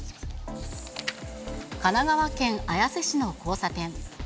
神奈川県綾瀬市の交差点。